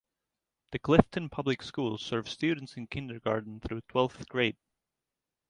The Clifton Public Schools serve students in kindergarten through twelfth grade.